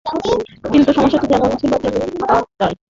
কিন্তু সমস্যাটি যেমন ছিল, তেমনি থাকিয়া যায়।